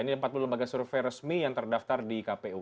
ini empat puluh lembaga survei resmi yang terdaftar di kpu